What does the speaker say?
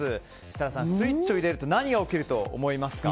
設楽さん、スイッチを入れると何が起きると思いますか？